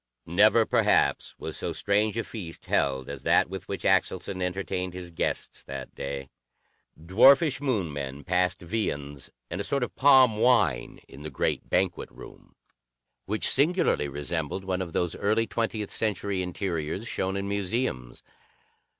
Never, perhaps, was so strange a feast held as that with which Axelson entertained his guests that day. Dwarfish Moon men passed viands and a sort of palm wine in the great banquet room, which singularly resembled one of those early twentieth century interiors shown in museums.